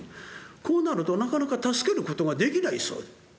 こうなるとなかなか助けることができないそうで。